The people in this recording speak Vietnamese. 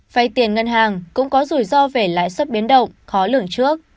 vay tiền ngân hàng cũng có rủi ro về lãi suất biến động khó lường trước